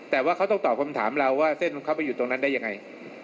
แต่ว่าเขาต้องตอบคำถามเราว่าเส้นของเขาไปอยู่ตรงนั้นได้ยังไง